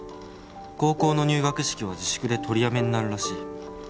「高校の入学式は自粛で取りやめになるらしい」